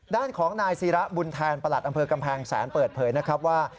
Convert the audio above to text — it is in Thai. ด้านของนายศิระบุญแทนประหลัดอำเภอกำแพงแสนเปิดเผยนะครับว่า